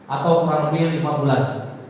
atau kurang lebih lima bulan